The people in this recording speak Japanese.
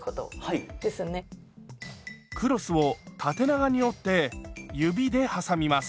クロスを縦長に折って指で挟みます。